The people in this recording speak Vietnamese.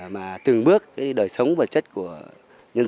mà từng bước cái đời sống vật chất của nhân dân là